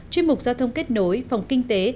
chuyên mục giao thông kết nối phòng kinh tế